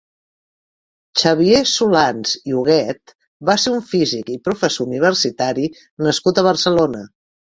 Xavier Solans i Huguet va ser un físic i professor universitari nascut a Barcelona.